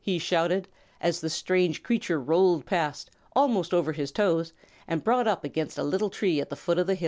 he shouted, as the strange creature rolled past, almost over his toes and brought up against a little tree at the foot of the hill.